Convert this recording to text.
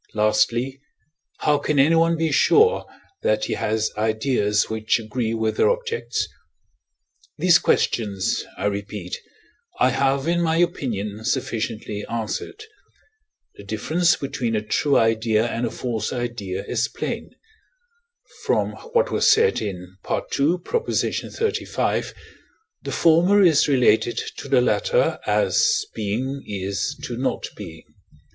Lastly, how can anyone be sure, that he has ideas which agree with their objects? These questions, I repeat, I have, in my opinion, sufficiently answered. The difference between a true idea and a false idea is plain: from what was said in II. xxxv., the former is related to the latter as being is to not being.